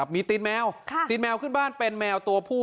มีติดแมวขึ้นบ้านเป็นแมวตัวผู้